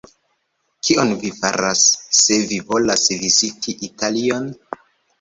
Kion vi faras, se vi volas viziti Italion?